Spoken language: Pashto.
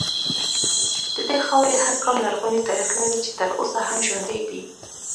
د دې خاورې هر ګام لرغونی تاریخ لري چې تر اوسه هم ژوندی دی